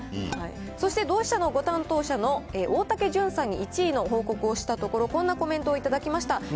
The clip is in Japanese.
そしてドウシシャのご担当者の大竹惇さんに１位の報告をしたところ、こんなコメントを頂きました。